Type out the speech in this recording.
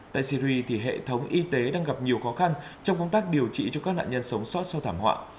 tại syri thì hệ thống y tế đang gặp nhiều khó khăn trong công tác điều trị cho các nạn nhân sống sót sau thảm họa